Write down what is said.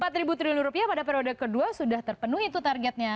empat ribu triliun rupiah pada periode kedua sudah terpenuhi itu targetnya